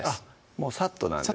もうさっとなんですね